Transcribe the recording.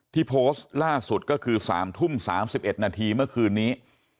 โพสต์ล่าสุดก็คือ๓ทุ่ม๓๑นาทีเมื่อคืนนี้